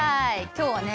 今日はね